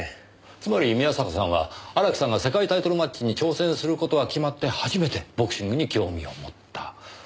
つまり宮坂さんは荒木さんが世界タイトルマッチに挑戦する事が決まって初めてボクシングに興味を持った。